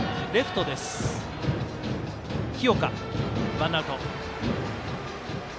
ワンアウト。